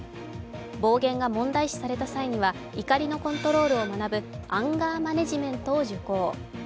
暴言が問題視された際には怒りのコントロールを学ぶアンガーマネジメントを受講。